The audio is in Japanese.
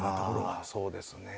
ああそうですね。